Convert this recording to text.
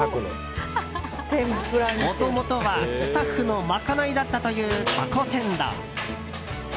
もともとは、スタッフの賄いだったという蛸天丼。